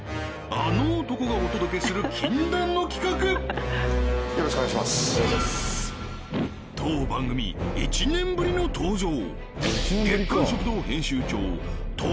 あの男がお届けする禁断の企画当番組１年ぶりの登場